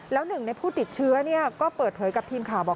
แล้วหนึ่งในผู้ติดเชื้อก็เปิดเผยกับทีมข่าวบอก